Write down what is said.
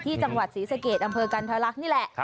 ที่จังหวัดศรีสะเกดอำเภอกันทรลักษณ์นี่แหละ